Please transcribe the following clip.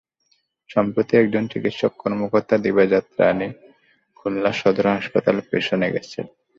সম্প্রতি একজন চিকিৎসা কর্মকর্তা দিবাজাত রনি খুলনা সদর হাসপাতালে প্রেষণে গেছেন।